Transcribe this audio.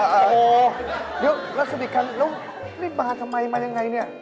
โอ้โฮเดี๋ยวรัสดิกัลแล้วรีบมาทำไมมาอย่างไรเนี่ย